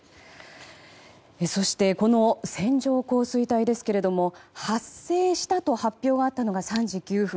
そして、この線状降水帯ですけど発生したと発表があったのが３時９分。